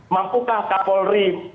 mampukah kak polri